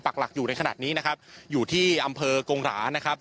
หลักอยู่ในขณะนี้นะครับอยู่ที่อำเภอกงหรานะครับ